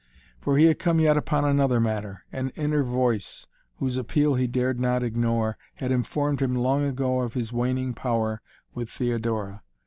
For he had come yet upon another matter; an inner voice, whose appeal he dared not ignore, had informed him long ago of his waning power with Theodora.